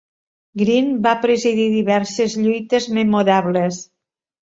Green va presidir diverses lluites memorables.